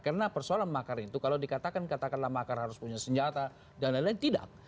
karena persoalan makar itu kalau dikatakan katakanlah makar harus punya senjata dan lain lain tidak